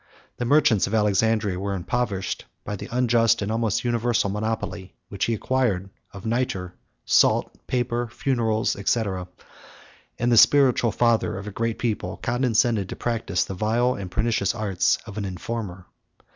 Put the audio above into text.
The merchants of Alexandria were impoverished by the unjust, and almost universal, monopoly, which he acquired, of nitre, salt, paper, funerals, &c.: and the spiritual father of a great people condescended to practise the vile and pernicious arts of an informer.